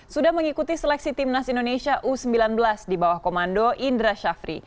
sudah mengikuti seleksi tim nas indonesia u sembilan belas di bawah komando indra shafri